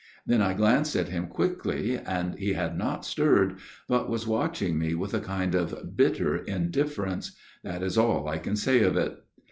Then 1 1 glanced at him quickly, and he had not stirred, but was watching me with a kind of bitter indiffer ence that is all I can say of it.